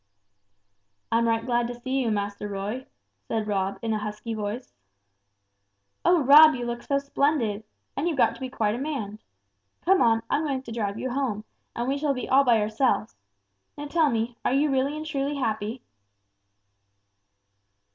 "I'm right glad to see you, Master Roy," said Rob, in a husky voice. "Oh, Rob, you look so splendid! And you've got to be quite a man! Come on, I'm going to drive you home, and we shall be all by ourselves. Now tell me, are you really and truly happy?"